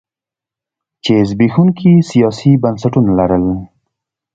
چې زبېښونکي سیاسي بنسټونه لرل.